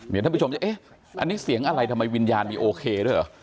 เดี๋ยวท่านผู้ชมจะเอ๊ะอันนี้เสียงอะไรทำไมวิญญาณมีโอเคด้วยเหรอ